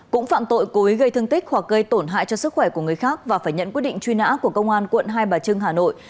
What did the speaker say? cũng phạm tội cố ý gây thương tích hoặc gây tổn hại cho sức khỏe của người khác và phải nhận quyết định truy nã của công an quận hai bà trưng hà nội